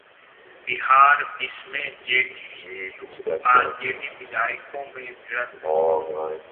बिहार विस में जेडीयू-आरजेडी विधायकों में भिड़ंत